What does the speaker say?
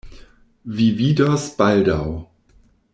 Vi vidos baldaŭ.